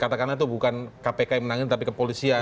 katakanlah itu bukan kpk yang menangin tapi kepolisian